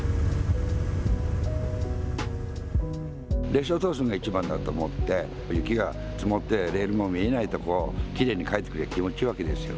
列車を通すのがいちばんだと思って、雪が積もってレールも見えないとこをきれいにかいてくると気持ちいいわけですよ。